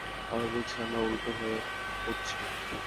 আবার বলছি, আমরা উল্টো হয়ে উড়ছি।